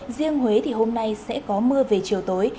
riêng huế thì hôm nay sẽ có mưa về chiều tối